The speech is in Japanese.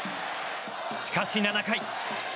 しかし、７回。